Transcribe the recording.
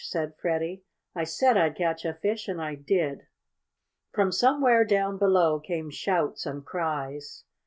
said Freddie. "I said I'd catch a fish, and I did!" From somewhere down below came shouts and cries.